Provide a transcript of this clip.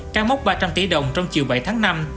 cán mốc ba trăm linh tỷ đồng trong chiều bảy tháng năm